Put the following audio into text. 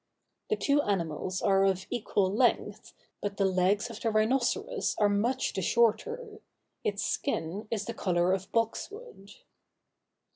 The two animals are of equal length, but the legs of the rhinoceros are much the shorter: its skin is the color of box wood.